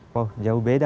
wah jauh beda